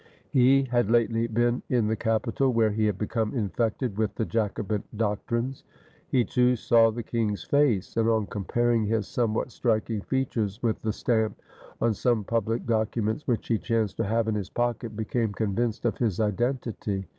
He had lately been in the capital, where he had become infected with the Jacobin doctrines. He, too, saw the king's face, and on comparing his somewhat striking features with the stamp on some public documents which he chanced to have in his pocket, became convinced of his identity.